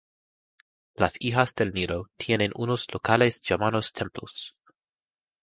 Las Hijas del Nilo tienen unos locales llamados templos.